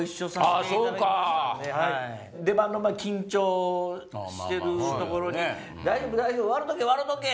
出番の前緊張してるところに「大丈夫大丈夫笑とけ笑とけ！」